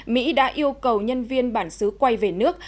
mỹ đã yêu cầu nhân viên bản xứ quay về nước